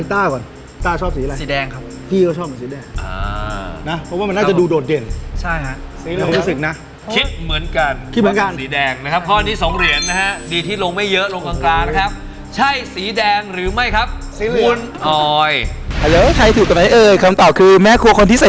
ถ้าเป็นแม่สีก็จะสีแดงสีเหลืองสีน้ำเงิน